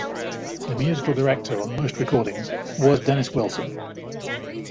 The musical director on most recordings was Dennis Wilson.